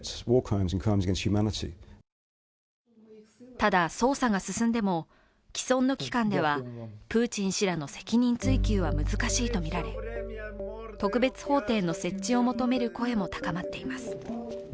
ただ、捜査が進んでも、既存の機関ではプーチン氏らの責任追及は難しいとみられ、特別法廷の設置を求める声も高まっています